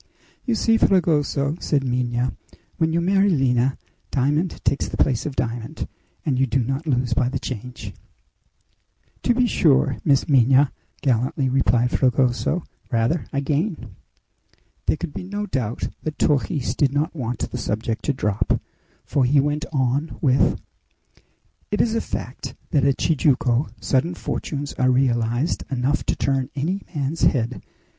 "You see, Fragoso," said Minha, "when you marry Lina, diamond takes the place of diamond, and you do not lose by the change!" "To be sure, Miss Minha," gallantly replied Fragoso; "rather I gain!" There could be no doubt that Torres did not want the subject to drop, for he went on with: "It is a fact that at Tijuco sudden fortunes are realized enough to turn any man's head!